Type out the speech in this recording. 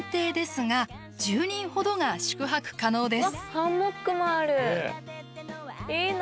ハンモックもあるいいな。